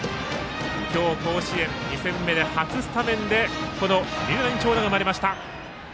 今日、甲子園２戦目で初スタメンでこの三浦に長打が生まれました。